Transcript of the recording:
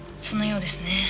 そのようですね。